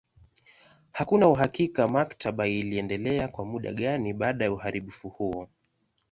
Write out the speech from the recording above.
Hakuna uhakika maktaba iliendelea kwa muda gani baada ya uharibifu huo.